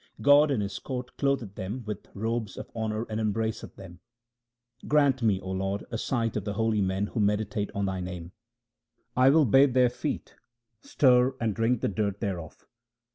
God in His court clotheth them with robes of honour and embraceth them. Grant me, O Lord, a sight of the holy men who meditate on Thy name : I will bathe their feet, stir and drink the dirt thereof.